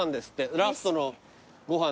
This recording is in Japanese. ラストのご飯です。